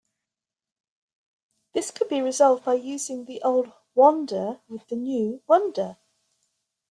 This could be resolved by using the old "wander" with the new "wunder".